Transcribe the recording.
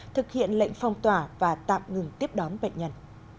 thực hiện lệnh phong tỏa và tạm ngừng tiếp đón bệnh nhân